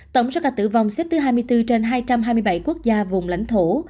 tổng số ca tử vong xếp thứ hai mươi bốn trên hai trăm hai mươi bảy quốc gia vùng lãnh thổ